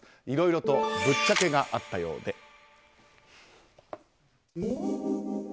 いろいろとぶっちゃけがあったようで。